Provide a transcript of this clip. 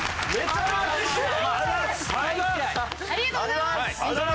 ありがとうございます！